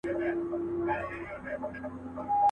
چي منلی پر کابل او هندوستان وو.